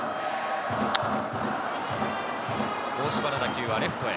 大島の打球はレフトへ。